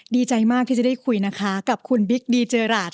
ดีใจมากที่จะได้คุยนะคะกับคุณบิ๊กดีเจอราช